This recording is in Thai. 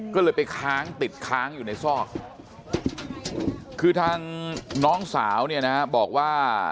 ก็เลยไปค้างติดค้างอยู่ในซอกคือทางน้องสาวเนี่ยนะบอกว่า